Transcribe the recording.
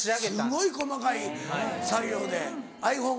すごい細かい作業で。